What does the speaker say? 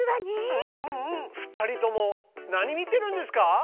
２人とも何見てるんですか？